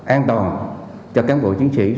an toàn cho cán bộ chiến sĩ